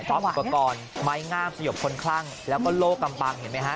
พร้อมอุปกรณ์ไม้งามสยบคนคลั่งแล้วก็โลกกำบังเห็นไหมฮะ